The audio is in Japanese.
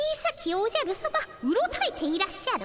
おじゃるさまうろたえていらっしゃる。